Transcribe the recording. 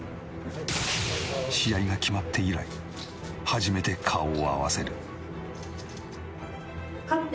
試合が決まって以来初めて顔を合わせる。